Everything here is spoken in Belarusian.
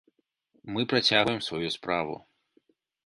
Мы працягваем сваю справу.